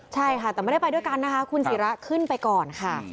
ใช่ค่ะแต่ไม่ได้ไปด้วยกันนะคะคุณศิระขึ้นไปก่อนค่ะ